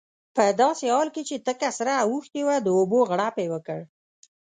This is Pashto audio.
په داسې حال کې چې تکه سره اوښتې وه د اوبو غړپ یې وکړ.